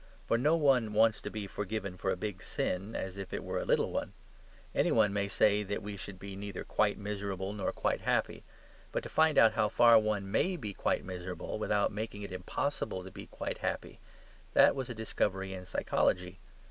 For no one wants to be forgiven for a big sin as if it were a little one. Any one might say that we should be neither quite miserable nor quite happy. But to find out how far one MAY be quite miserable without making it impossible to be quite happy that was a discovery in psychology.